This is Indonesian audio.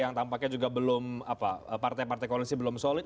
yang tampaknya juga belum partai partai koalisi belum solid